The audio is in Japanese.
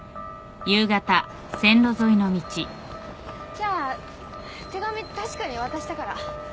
じゃあ手紙確かに渡したから。